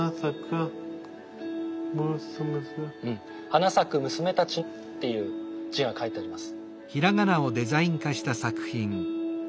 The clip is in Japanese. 「はなさくむすめたち」っていう字が書いてあります。